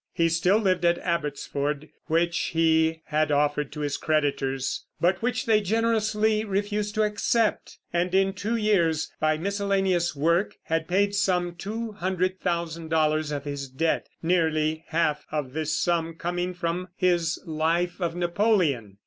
He still lived at Abbotsford, which he had offered to his creditors, but which they generously refused to accept; and in two years, by miscellaneous work, had paid some two hundred thousand dollars of his debt, nearly half of this sum coming from his Life of Napoleon.